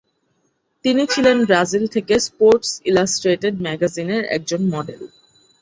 তিনি ছিলেন ব্রাজিল থেকে "স্পোর্টস ইলাস্ট্রেটেড" ম্যাগাজিনের একজন মডেল।